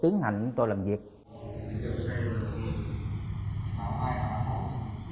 hai người đàn ông có liên quan chuyện tình trạng